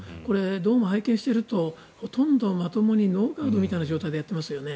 どうも拝見しているとほとんどまともにノーガードみたいな状態でやっていますね。